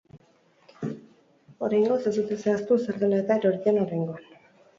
Oraingoz, ez dute zehaztu zer dela eta erori den oraingoan.